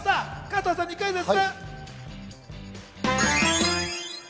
加藤さんにクイズッス。